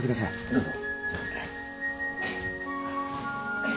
どうぞ。